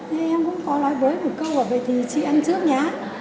thế em cũng có nói với một câu là về thì chị ăn trước nhá